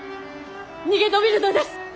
逃げ延びるのです。